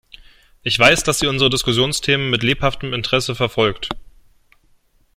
Ich weiß, dass sie unsere Diskussionsthemen mit lebhaftem Interesse verfolgt.